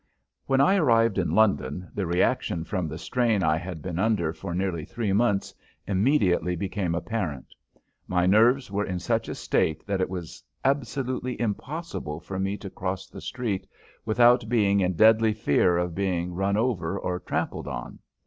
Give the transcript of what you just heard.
When I arrived in London the reaction from the strain I had been under for nearly three months immediately became apparent. My nerves were in such a state that it was absolutely impossible for me to cross the street without being in deadly fear of being run over or trampled on.